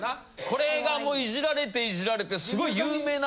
これがもうイジられてイジられてすごい有名な。